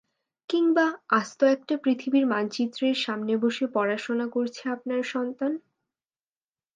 কিংবা আস্ত একটা পৃথিবীর মানচিত্রের সামনে বসে পড়াশোনা করছে আপনার সন্তান।